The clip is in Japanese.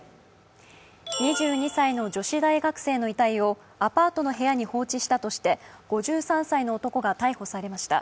２２歳の女子大学生の遺体をアパートの部屋に放置したとして５３歳の男が逮捕されました。